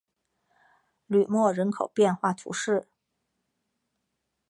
吕莫人口变化图示